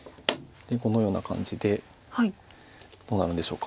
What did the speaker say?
このような感じでどうなるんでしょうか。